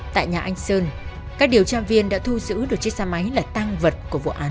tại nhà anh sơn các điều tra viên đã thu giữ được chiếc xe máy là tăng vật của vụ án